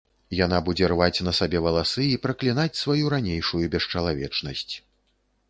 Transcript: Яна будзе рваць на сабе валасы і праклінаць сваю ранейшую бесчалавечнасць.